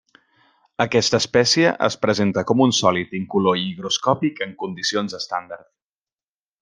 Aquesta espècie es presenta com un sòlid incolor i higroscòpic en condicions estàndard.